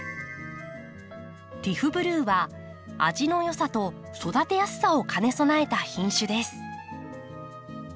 ティフブルーは味の良さと育てやすさを兼ね備えた品種です。